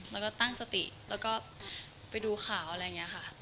แล้วก็ตั้งสติแล้วก็ไปดูข่าวอะไรอย่างนี้ค่ะ